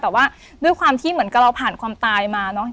แต่ว่าด้วยความที่เหมือนกับเราผ่านความตายมาเนอะ